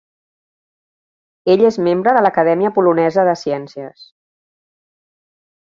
Ell és membre de l'Acadèmia Polonesa de Ciències.